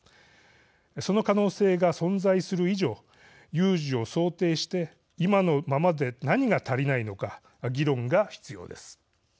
その可能性が存在する以上有事を想定して今のままで何が足りないのか議論が必要です。